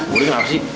bu de kenapa sih